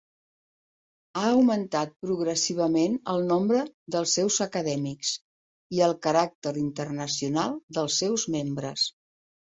Ha augmentat progressivament el nombre dels seus Acadèmics i el caràcter internacional dels seus membres.